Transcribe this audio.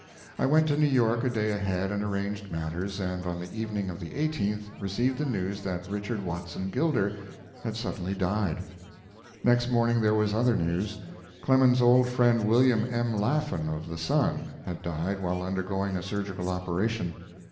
I went to New York a day ahead and arranged matters, and on the evening of the 18th received the news that Richard Watson Gilder had suddenly died. Next morning there was other news. Clemens's old friend, William M. Laffan, of the Sun, had died while undergoing a surgical operation.